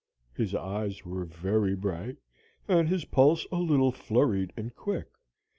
His eyes were very bright, and his pulse a little flurried and quick.